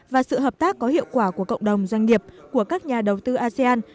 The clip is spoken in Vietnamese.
và sự hợp tác có hiệu quả của cộng đồng doanh nghiệp của các nhà đầu tư asean